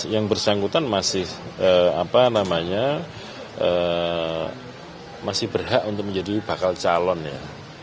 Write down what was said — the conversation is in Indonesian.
yang bersangkutan masih berhak untuk menjadi bakal calon ya